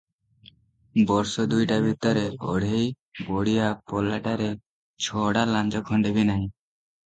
ବର୍ଷ ଦୁଇଟା ଭିତରେ ଅଢ଼େଇ ବୋଡ଼ିଆ ପଲାଟାରେ ଛଡ଼ା ଲାଞ୍ଜ ଖଣ୍ଡେ ବି ନାହିଁ ।